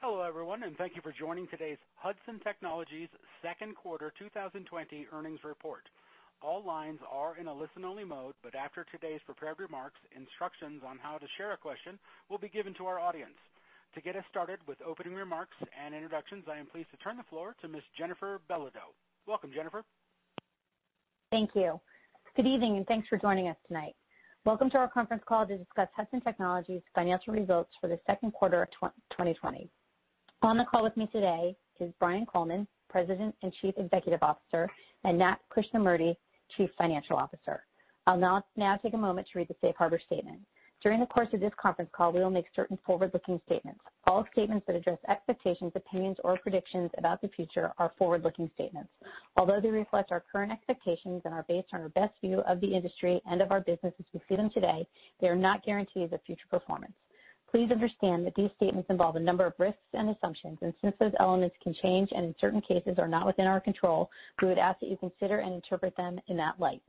Hello, everyone, and thank you for joining today's Hudson Technologies second quarter 2020 earnings report. All lines are in a listen-only mode, but after today's prepared remarks, instructions on how to share a question will be given to our audience. To get us started with opening remarks and introductions, I am pleased to turn the floor to Ms. Jennifer Belodeau. Welcome, Jennifer. Thank you. Good evening, and thanks for joining us tonight. Welcome to our conference call to discuss Hudson Technologies financial results for the second quarter of 2020. On the call with me today is Brian Coleman, President and Chief Executive Officer, and Nat Krishnamurti, Chief Financial Officer. I'll now take a moment to read the safe harbor statement. During the course of this conference call, we will make certain forward-looking statements. All statements that address expectations, opinions, or predictions about the future are forward-looking statements. Although they reflect our current expectations and are based on our best view of the industry and of our business as we see them today, they are not guarantees of future performance. Please understand that these statements involve a number of risks and assumptions, and since those elements can change and in certain cases are not within our control, we would ask that you consider and interpret them in that light.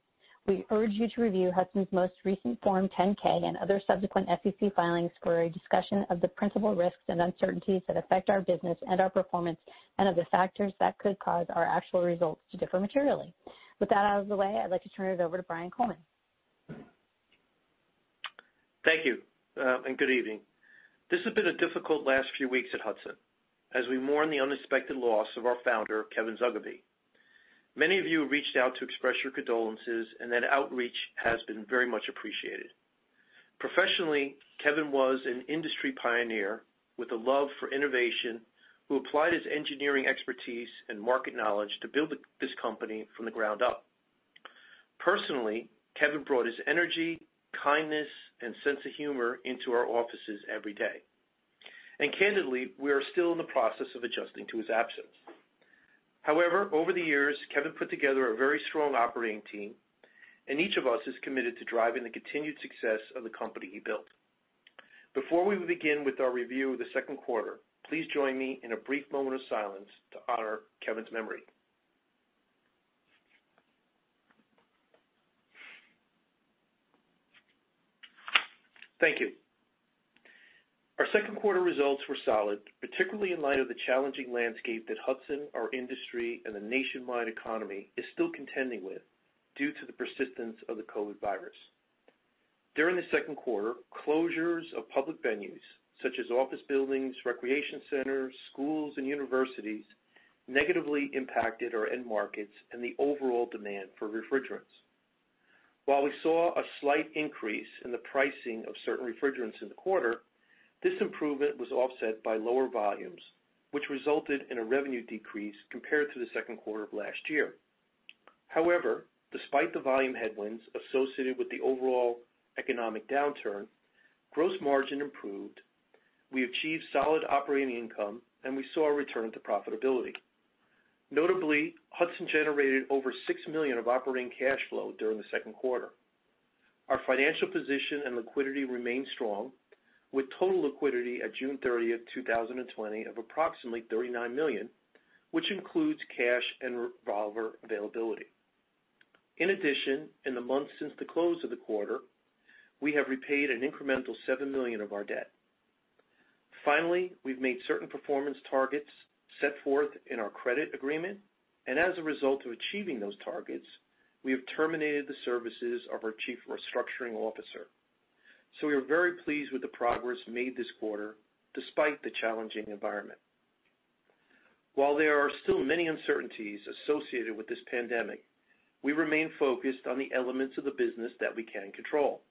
We urge you to review Hudson's most recent Form 10-K and other subsequent SEC filings for a discussion of the principal risks and uncertainties that affect our business and our performance, and of the factors that could cause our actual results to differ materially. With that out of the way, I'd like to turn it over to Brian Coleman. Thank you, and good evening. This has been a difficult last few weeks at Hudson Technologies as we mourn the unexpected loss of our founder, Kevin J. Zugibe. Many of you reached out to express your condolences, that outreach has been very much appreciated. Professionally, Kevin was an industry pioneer with a love for innovation, who applied his engineering expertise and market knowledge to build this company from the ground up. Personally, Kevin brought his energy, kindness, and sense of humor into our offices every day. Candidly, we are still in the process of adjusting to his absence. However, over the years, Kevin put together a very strong operating team, and each of us is committed to driving the continued success of the company he built. Before we begin with our review of the second quarter, please join me in a brief moment of silence to honor Kevin's memory. Thank you. Our second quarter results were solid, particularly in light of the challenging landscape that Hudson Technologies, our industry, and the nationwide economy is still contending with due to the persistence of the COVID virus. During the second quarter, closures of public venues such as office buildings, recreation centers, schools, and universities negatively impacted our end markets and the overall demand for refrigerants. While we saw a slight increase in the pricing of certain refrigerants in the quarter, this improvement was offset by lower volumes, which resulted in a revenue decrease compared to the second quarter of last year. Despite the volume headwinds associated with the overall economic downturn, gross margin improved. We achieved solid operating income, and we saw a return to profitability. Notably, Hudson Technologies generated over $6 million of operating cash flow during the second quarter. Our financial position and liquidity remain strong, with total liquidity at June 30th, 2020, of approximately $39 million, which includes cash and revolver availability. In addition, in the months since the close of the quarter, we have repaid an incremental $7 million of our debt. Finally, we've made certain performance targets set forth in our credit agreement, and as a result of achieving those targets, we have terminated the services of our chief restructuring officer. We are very pleased with the progress made this quarter despite the challenging environment. While there are still many uncertainties associated with this pandemic, we remain focused on the elements of the business that we can control.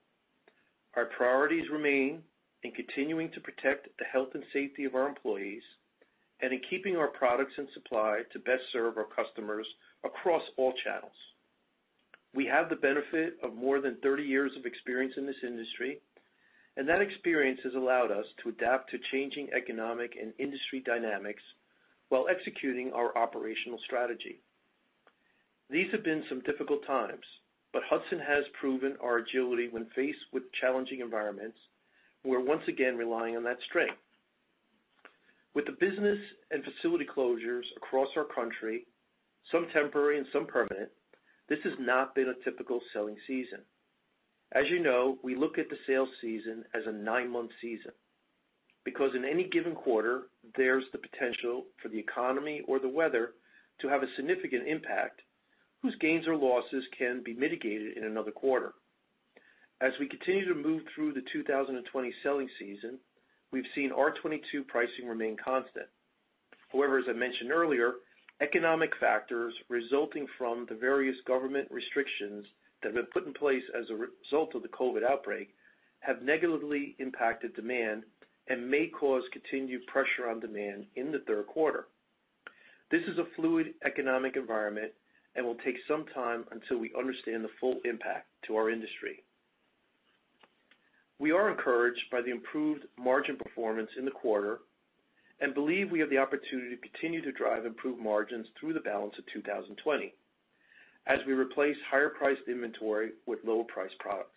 Our priorities remain in continuing to protect the health and safety of our employees and in keeping our products in supply to best serve our customers across all channels. We have the benefit of more than 30 years of experience in this industry, that experience has allowed us to adapt to changing economic and industry dynamics while executing our operational strategy. These have been some difficult times, but Hudson Technologies has proven our agility when faced with challenging environments. We're once again relying on that strength. With the business and facility closures across our country, some temporary and some permanent, this has not been a typical selling season. As you know, we look at the sales season as a nine-month season, because in any given quarter, there's the potential for the economy or the weather to have a significant impact, whose gains or losses can be mitigated in another quarter. As we continue to move through the 2020 selling season, we've seen R-22 pricing remain constant. However, as I mentioned earlier, economic factors resulting from the various government restrictions that have been put in place as a result of the COVID outbreak have negatively impacted demand and may cause continued pressure on demand in the third quarter. This is a fluid economic environment and will take some time until we understand the full impact to our industry. We are encouraged by the improved margin performance in the quarter and believe we have the opportunity to continue to drive improved margins through the balance of 2020 as we replace higher-priced inventory with lower-priced products.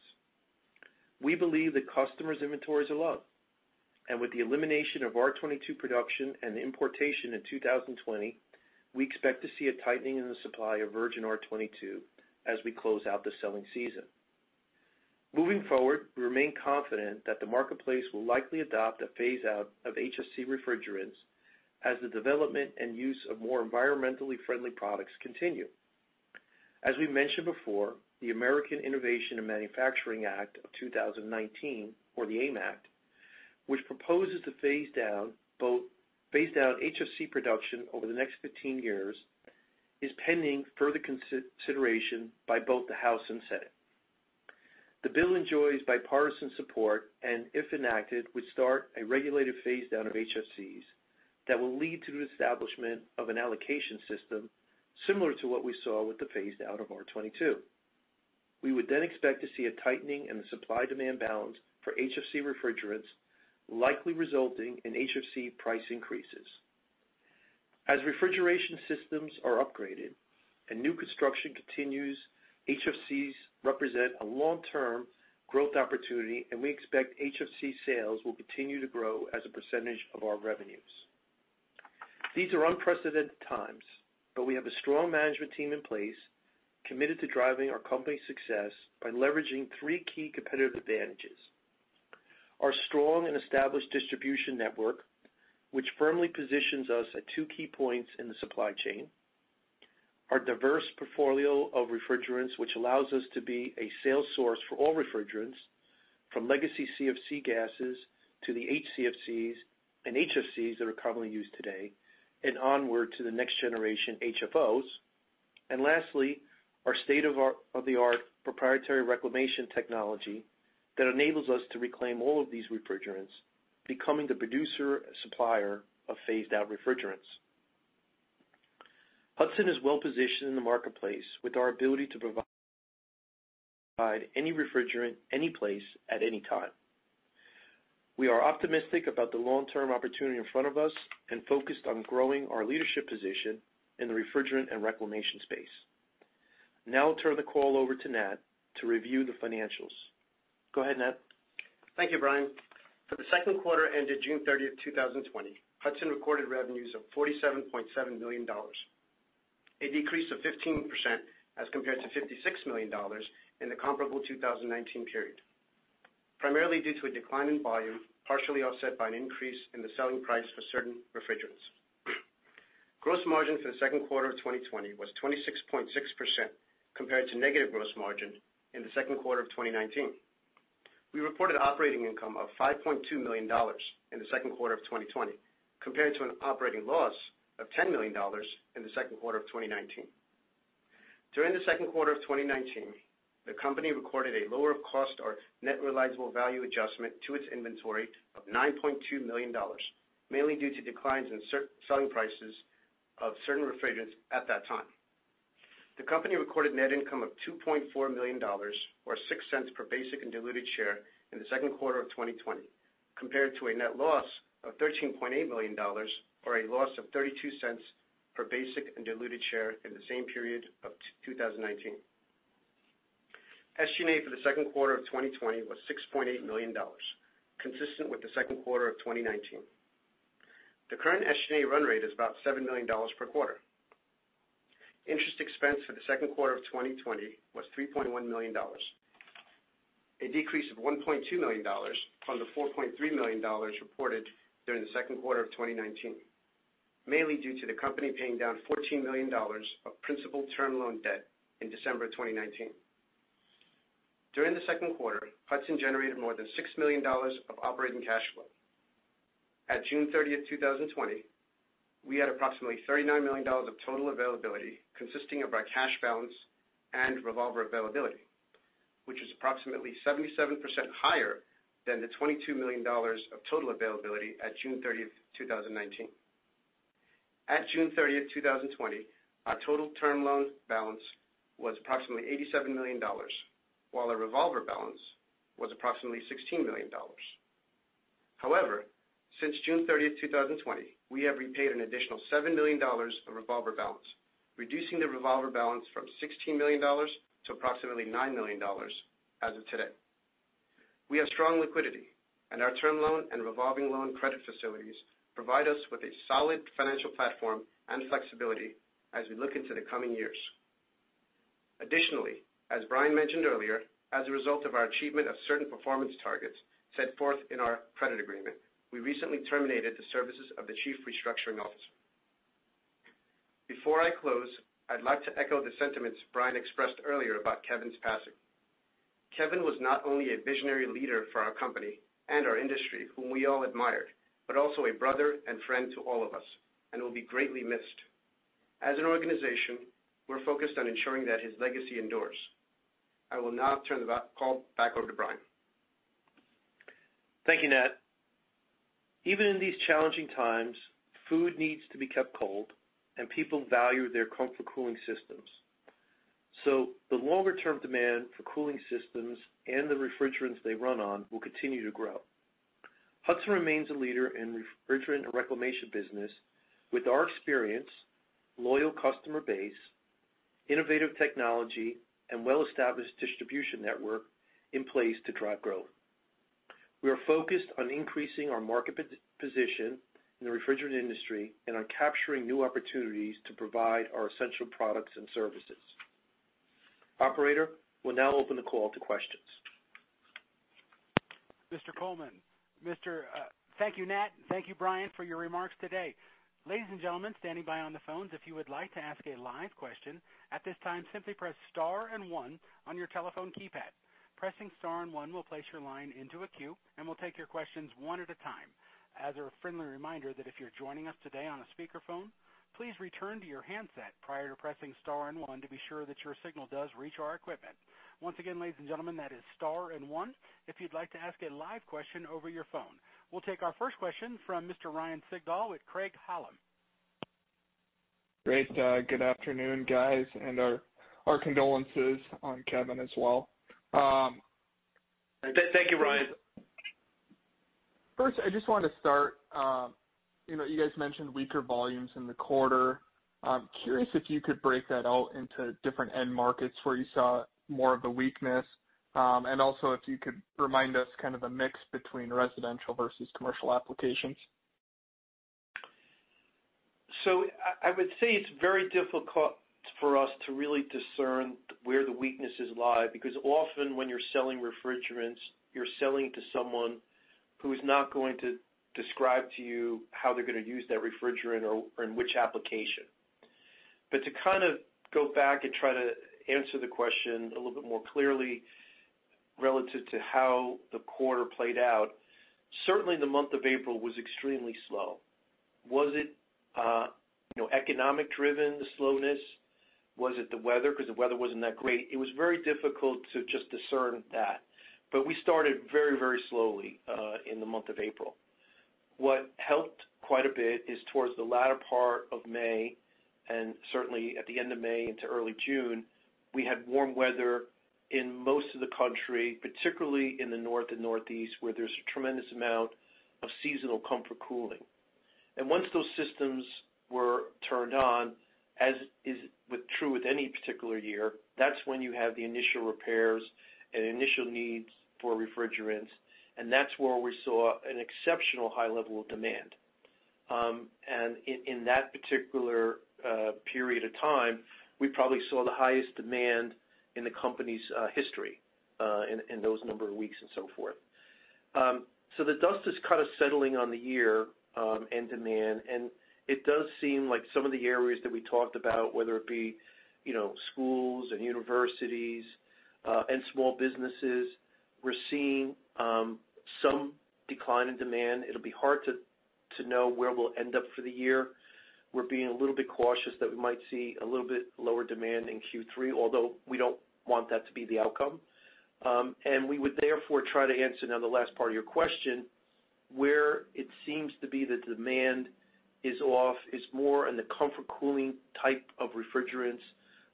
We believe that customers' inventories are low. With the elimination of R-22 production and importation in 2020, we expect to see a tightening in the supply of virgin R-22 as we close out the selling season. Moving forward, we remain confident that the marketplace will likely adopt a phase-out of HFC refrigerants as the development and use of more environmentally friendly products continue. As we mentioned before, the American Innovation and Manufacturing Act of 2020, or the AIM Act, which proposes to phase out HFC production over the next 15 years, is pending further consideration by both the House and Senate. The bill enjoys bipartisan support and, if enacted, would start a regulated phase down of HFCs that will lead to the establishment of an allocation system similar to what we saw with the phased out of R-22. We would then expect to see a tightening in the supply-demand balance for HFC refrigerants, likely resulting in HFC price increases. As refrigeration systems are upgraded and new construction continues, HFCs represent a long-term growth opportunity, and we expect HFC sales will continue to grow as a percentage of our revenues. These are unprecedented times, but we have a strong management team in place, committed to driving our company's success by leveraging three key competitive advantages. Our strong and established distribution network, which firmly positions us at two key points in the supply chain. Our diverse portfolio of refrigerants, which allows us to be a sales source for all refrigerants, from legacy CFC gases to the HCFCs and HFCs that are commonly used today, and onward to the next generation HFOs. Lastly, our state-of-the-art proprietary reclamation technology that enables us to reclaim all of these refrigerants, becoming the producer and supplier of phased out refrigerants. Hudson is well positioned in the marketplace with our ability to provide any refrigerant, any place, at any time. We are optimistic about the long-term opportunity in front of us and focused on growing our leadership position in the refrigerant and reclamation space. I'll turn the call over to Nat to review the financials. Go ahead, Nat. Thank you, Brian. For the second quarter ended June 30th, 2020, Hudson Technologies recorded revenues of $47.7 million, a decrease of 15% as compared to $56 million in the comparable 2019 period, primarily due to a decline in volume, partially offset by an increase in the selling price for certain refrigerants. Gross margin for the second quarter of 2020 was 26.6% compared to negative gross margin in the second quarter of 2019. We reported operating income of $5.2 million in the second quarter of 2020 compared to an operating loss of $10 million in the second quarter of 2019. During the second quarter of 2019, the company recorded a lower cost or net realizable value adjustment to its inventory of $9.2 million, mainly due to declines in selling prices of certain refrigerants at that time. The company recorded net income of $2.4 million, or $0.06 per basic and diluted share in the second quarter of 2020, compared to a net loss of $13.8 million, or a loss of $0.32 per basic and diluted share in the same period of 2019. SG&A for the second quarter of 2020 was $6.8 million, consistent with the second quarter of 2019. The current SG&A run rate is about $7 million per quarter. Interest expense for the second quarter of 2020 was $3.1 million, a decrease of $1.2 million from the $4.3 million reported during the second quarter of 2019, mainly due to the company paying down $14 million of principal term loan debt in December of 2019. During the second quarter, Hudson generated more than $6 million of operating cash flow. At June 30th, 2020, we had approximately $39 million of total availability consisting of our cash balance and revolver availability, which is approximately 77% higher than the $22 million of total availability at June 30th, 2019. At June 30th, 2020, our total term loan balance was approximately $87 million, while our revolver balance was approximately $16 million. Since June 30th, 2020, we have repaid an additional $7 million of revolver balance, reducing the revolver balance from $16 million to approximately $9 million as of today. We have strong liquidity, our term loan and revolving loan credit facilities provide us with a solid financial platform and flexibility as we look into the coming years. As Brian mentioned earlier, as a result of our achievement of certain performance targets set forth in our credit agreement, we recently terminated the services of the Chief Restructuring Officer. Before I close, I'd like to echo the sentiments Brian expressed earlier about Kevin's passing. Kevin was not only a visionary leader for our company and our industry, whom we all admired, but also a brother and friend to all of us and will be greatly missed. As an organization, we're focused on ensuring that his legacy endures. I will now turn the call back over to Brian. Thank you, Nat. Even in these challenging times, food needs to be kept cold and people value their comfort cooling systems. The longer-term demand for cooling systems and the refrigerants they run on will continue to grow. Hudson Technologies remains a leader in refrigerant and reclamation business with our experience, loyal customer base innovative technology and well-established distribution network in place to drive growth. We are focused on increasing our market position in the refrigerant industry and on capturing new opportunities to provide our essential products and services. Operator, we'll now open the call to questions. Mr. Coleman. Thank you, Nat. Thank you, Brian, for your remarks today. Ladies and gentlemen standing by on the phones, if you would like to ask a live question at this time, simply press star and one on your telephone keypad. Pressing star and one will place your line into a queue, and we'll take your questions one at a time. As a friendly reminder that if you're joining us today on a speakerphone, please return to your handset prior to pressing star and one to be sure that your signal does reach our equipment. Once again, ladies and gentlemen, that is star and one if you'd like to ask a live question over your phone. We'll take our first question from Mr. Ryan Sigdahl with Craig-Hallum. Great. Good afternoon, guys, and our condolences on Kevin as well. Thank you, Ryan. First, I just wanted to start, you guys mentioned weaker volumes in the quarter. I'm curious if you could break that out into different end markets where you saw more of the weakness? Also if you could remind us kind of the mix between residential versus commercial applications? I would say it's very difficult for us to really discern where the weaknesses lie, because often when you're selling refrigerants, you're selling to someone who's not going to describe to you how they're going to use that refrigerant or in which application. To kind of go back and try to answer the question a little bit more clearly relative to how the quarter played out, certainly the month of April was extremely slow. Was it economic driven, the slowness? Was it the weather? Because the weather wasn't that great. It was very difficult to just discern that. We started very slowly in the month of April. What helped quite a bit is towards the latter part of May, and certainly at the end of May into early June, we had warm weather in most of the country, particularly in the north and northeast, where there's a tremendous amount of seasonal comfort cooling. Once those systems were turned on, as is true with any particular year, that's when you have the initial repairs and initial needs for refrigerants, and that's where we saw an exceptional high level of demand. In that particular period of time, we probably saw the highest demand in the company's history, in those number of weeks and so forth. The dust is kind of settling on the year and demand, and it does seem like some of the areas that we talked about, whether it be schools and universities, and small businesses, we're seeing some decline in demand. It'll be hard to know where we'll end up for the year. We're being a little bit cautious that we might see a little bit lower demand in Q3, although we don't want that to be the outcome. We would therefore try to answer now the last part of your question, where it seems to be the demand is off, is more in the comfort cooling type of refrigerants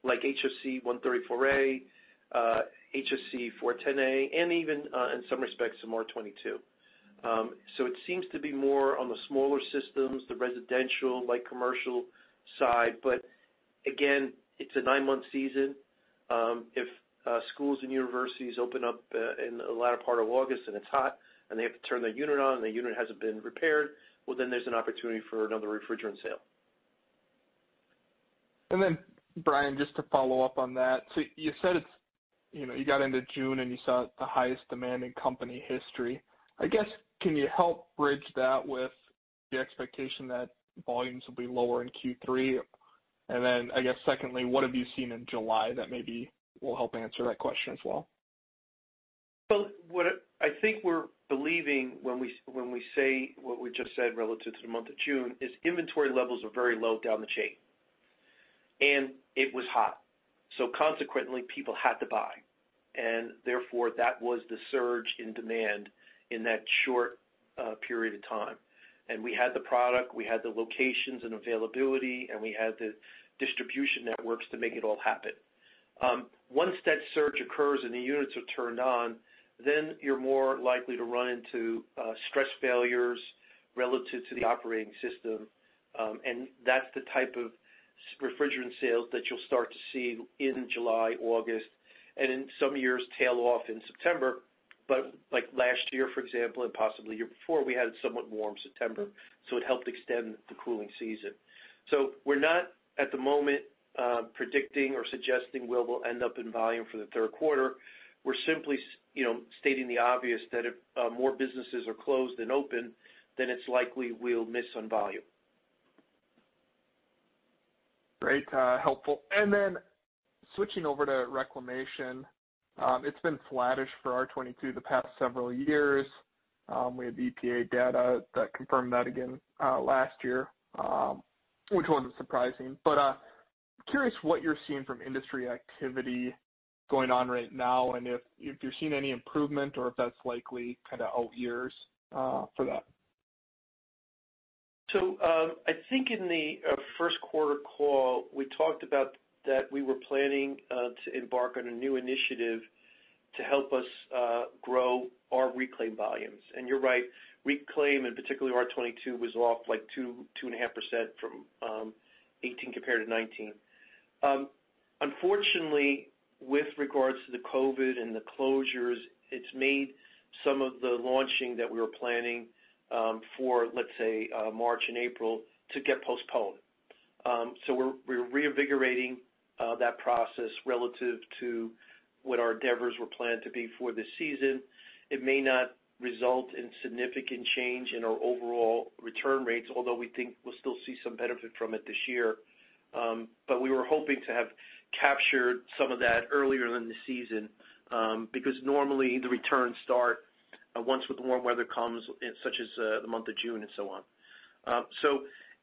like HFC-134a, HFC-410A, and even, in some respects, some R-22. It seems to be more on the smaller systems, the residential, light commercial side. Again, it's a nine-month season. If schools and universities open up in the latter part of August and it's hot, and they have to turn their unit on and the unit hasn't been repaired, well, then there's an opportunity for another refrigerant sale. Brian, just to follow up on that. You said you got into June and you saw the highest demand in company history. I guess, can you help bridge that with the expectation that volumes will be lower in Q3? I guess secondly, what have you seen in July that maybe will help answer that question as well? What I think we're believing when we say what we just said relative to the month of June is inventory levels are very low down the chain. It was hot, consequently, people had to buy. Therefore, that was the surge in demand in that short period of time. We had the product, we had the locations and availability, and we had the distribution networks to make it all happen. Once that surge occurs and the units are turned on, you're more likely to run into stress failures relative to the operating system. That's the type of refrigerant sales that you'll start to see in July, August, and in some years tail off in September. Like last year, for example, and possibly the year before, we had a somewhat warm September, it helped extend the cooling season. We're not at the moment predicting or suggesting where we'll end up in volume for the third quarter. We're simply stating the obvious that if more businesses are closed than open, then it's likely we'll miss on volume. Great. Helpful. Switching over to reclamation. It's been flattish for R-22 the past several years. We had EPA data that confirmed that again last year, which wasn't surprising. Curious what you're seeing from industry activity going on right now, and if you're seeing any improvement or if that's likely kind of out years for that. I think in the first quarter call, we talked about that we were planning to embark on a new initiative to help us grow our reclaim volumes. You're right, reclaim, in particular R-22 was off 2.5% from 2018 compared to 2019. Unfortunately, with regards to the COVID and the closures, it's made some of the launching that we were planning for, let's say, March and April to get postponed. We're reinvigorating that process relative to what our endeavors were planned to be for this season. It may not result in significant change in our overall return rates, although we think we'll still see some benefit from it this year. We were hoping to have captured some of that earlier in the season, because normally the returns start once the warm weather comes, such as the month of June and so on.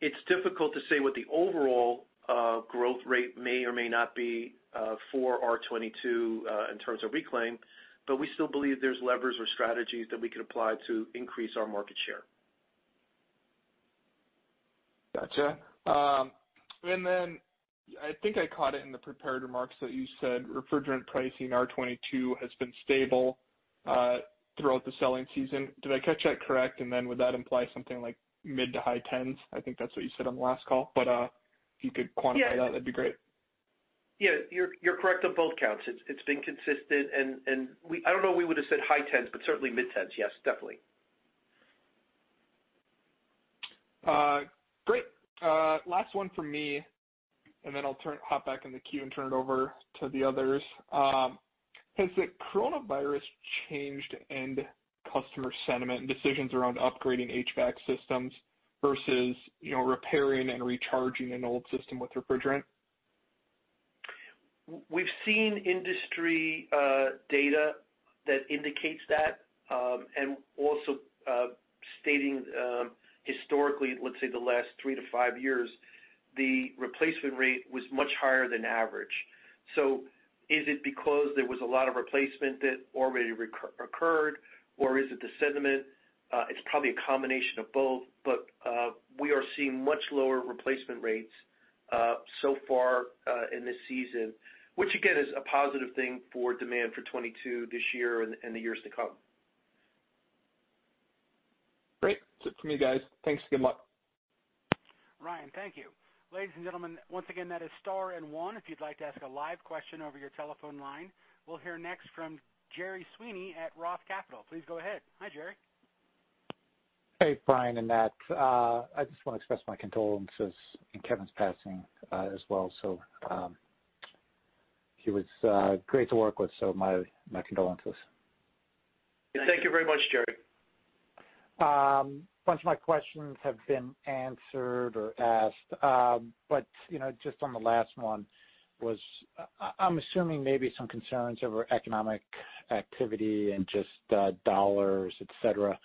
It's difficult to say what the overall growth rate may or may not be for R-22, in terms of reclaim, but we still believe there's levers or strategies that we could apply to increase our market share. Got you. I think I caught it in the prepared remarks that you said refrigerant pricing R-22 has been stable throughout the selling season. Did I catch that correct? Would that imply something like mid-to-high 10s? I think that's what you said on the last call, but if you could quantify that'd be great. Yeah. You're correct on both counts. It's been consistent, and I don't know if we would've said high-10s, but certainly mid-10s. Yes, definitely. Great. Last one from me, and then I'll hop back in the queue and turn it over to the others. Has the coronavirus changed end customer sentiment and decisions around upgrading HVAC systems versus repairing and recharging an old system with refrigerant? We've seen industry data that indicates that. Also stating historically, let's say the last three to five years, the replacement rate was much higher than average. Is it because there was a lot of replacement that already occurred or is it the sentiment? It's probably a combination of both, but we are seeing much lower replacement rates so far in this season, which again is a positive thing for demand for 22 this year and the years to come. Great. That's it for me, guys. Thanks and good luck. Ryan, thank you. Ladies and gentlemen, once again, that is star and one, if you'd like to ask a live question over your telephone line. We'll hear next from Gerry Sweeney at Roth Capital. Please go ahead. Hi, Gerry. Hey, Brian and Nat. I just want to express my condolences in Kevin's passing as well. He was great to work with, so my condolences. Thank you very much, Gerry. A bunch of my questions have been answered or asked. Just on the last one was, I'm assuming maybe some concerns over economic activity and just dollars, et cetera,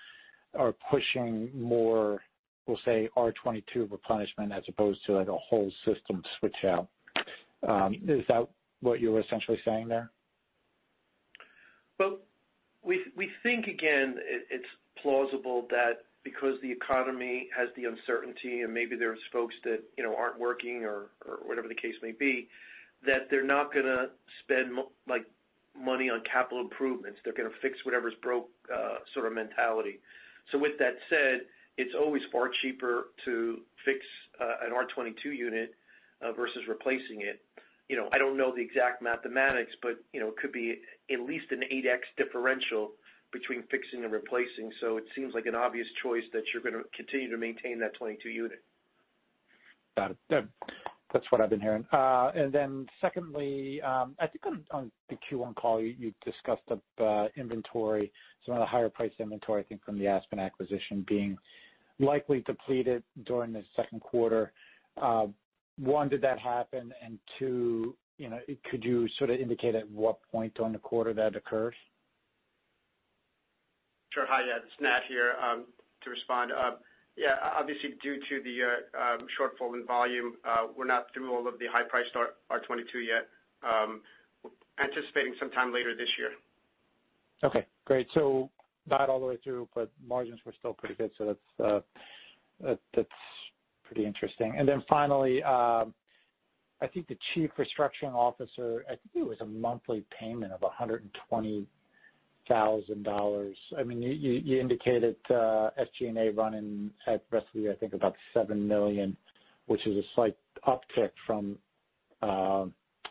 are pushing more, we'll say R-22 replenishment as opposed to like a whole system switch out. Is that what you were essentially saying there? Well, we think, again, it's plausible that because the economy has the uncertainty and maybe there's folks that aren't working or whatever the case may be, that they're not going to spend money on capital improvements. They're going to fix whatever's broke sort of mentality. With that said, it's always far cheaper to fix an R-22 unit versus replacing it. I don't know the exact mathematics, but it could be at least an 8X differential between fixing and replacing. It seems like an obvious choice that you're going to continue to maintain that R-22 unit. Got it. That's what I've been hearing. Then secondly, I think on the Q1 call, you discussed the inventory, some of the higher priced inventory, I think from the Aspen Refrigerants acquisition being likely depleted during the second quarter. One, did that happen? Two, could you sort of indicate at what point during the quarter that occurs? Sure. Hi, yeah, it's Nat here to respond. Yeah, obviously due to the shortfall in volume, we're not through all of the high priced R-22 yet. Anticipating sometime later this year. Okay, great. Not all the way through, but margins were still pretty good, that's pretty interesting. Finally, I think the chief restructuring officer, I think it was a monthly payment of $120,000. You indicated SG&A running at rest of the year, I think about $7 million, which is a slight uptick from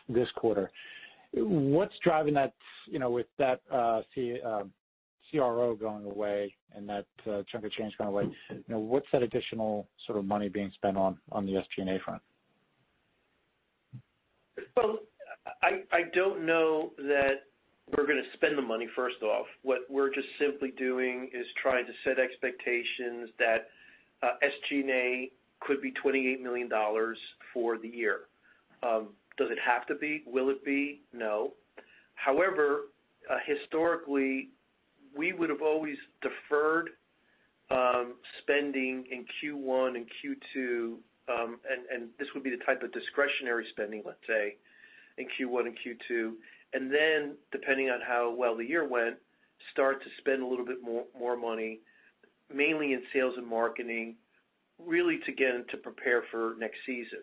this quarter. What's driving that with that CRO going away and that chunk of change going away, what's that additional sort of money being spent on the SG&A front? I don't know that we're going to spend the money, first off. What we're just simply doing is trying to set expectations that SG&A could be $28 million for the year. Does it have to be? Will it be? No. However, historically, we would've always deferred spending in Q1 and Q2, and this would be the type of discretionary spending, let's say, in Q1 and Q2. Depending on how well the year went, start to spend a little bit more money, mainly in sales and marketing, really to prepare for next season.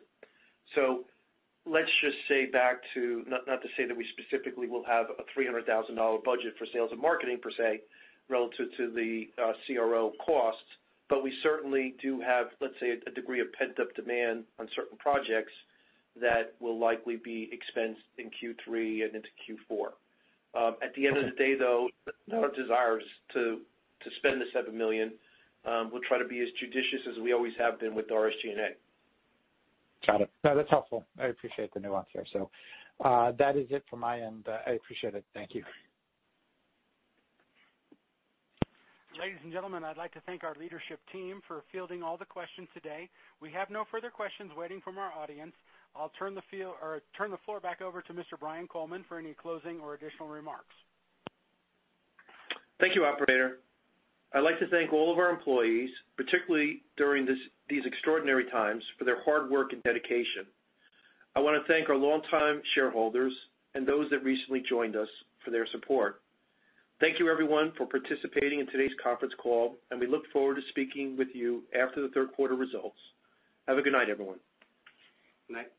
Let's just say back to, not to say that we specifically will have a $300,000 budget for sales and marketing per se, relative to the CRO costs, but we certainly do have, let's say, a degree of pent-up demand on certain projects that will likely be expensed in Q3 and into Q4. At the end of the day, though, no desires to spend the $7 million. We'll try to be as judicious as we always have been with our SG&A. Got it. No, that's helpful. I appreciate the nuance here. That is it from my end. I appreciate it. Thank you. Ladies and gentlemen, I'd like to thank our leadership team for fielding all the questions today. We have no further questions waiting from our audience. I'll turn the floor back over to Mr. Brian Coleman for any closing or additional remarks. Thank you, operator. I'd like to thank all of our employees, particularly during these extraordinary times, for their hard work and dedication. I want to thank our longtime shareholders and those that recently joined us for their support. Thank you everyone for participating in today's conference call, and we look forward to speaking with you after the third quarter results. Have a good night, everyone. Good night.